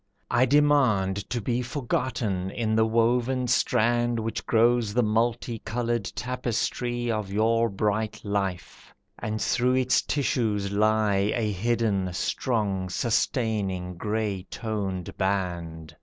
I demand To be forgotten in the woven strand Which grows the multi coloured tapestry Of your bright life, and through its tissues lie A hidden, strong, sustaining, grey toned band.